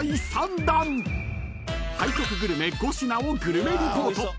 ［背徳グルメ５品をグルメリポート］